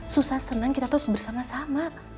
susah senang kita terus bersama sama